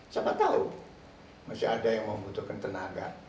siapa tahu masih ada yang membutuhkan tenaga